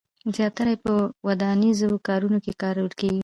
زیاتره یې په ودانیزو کارونو کې کارول کېږي.